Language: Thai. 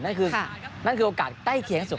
นั่นคือนะคือโอกาสใต้เคลียร์ให้สุด